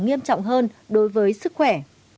nghiêm trọng hơn đối với sức khỏe